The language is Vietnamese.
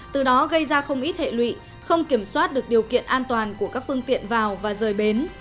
từ đó gây ra không ít hệ lụy không kiểm soát được điều kiện an toàn của các phương tiện vào và rời bến